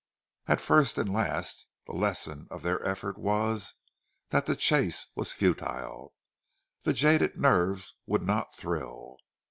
And first and last, the lesson of their efforts was, that the chase was futile; the jaded nerves would not thrill.